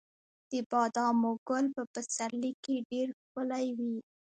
د بادامو ګل په پسرلي کې ډیر ښکلی وي.